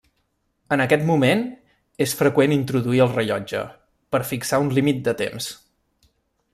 En aquest moment, és freqüent introduir el rellotge, per fixar un límit de temps.